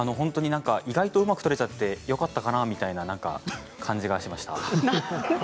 意外とうまく撮れちゃってよかったかなみたいな感じがしました。